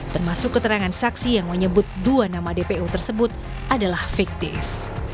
termasuk keterangan saksi yang menyebut dua nama dpo tersebut adalah fiktif